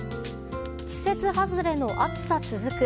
季節外れの暑さ続く。